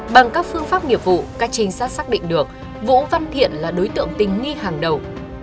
bằng các phương pháp nghiệp vụ các trinh sát xác định được vũ văn thiện là đối tượng tình nghi hàng đầu